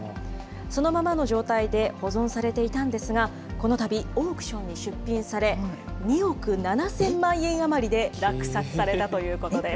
そのままの状態で保存されていたんですが、このたびオークションに出品され、２億７０００万円余りで落札されたということです。